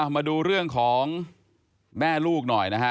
มาดูเรื่องของแม่ลูกหน่อยนะฮะ